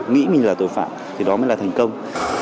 nghĩ mình là tội phạm thì đó mới là thành công